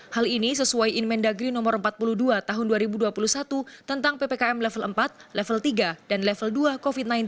hal ini sesuai inmen dagri no empat puluh dua tahun dua ribu dua puluh satu tentang ppkm level empat level tiga dan level dua covid sembilan belas